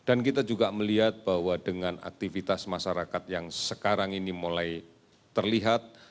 dan kita juga melihat bahwa dengan aktivitas masyarakat yang sekarang ini mulai terlihat